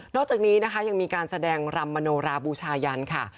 อกจากนี้นะคะยังมีการแสดงรำมโนราบูชายันค่ะ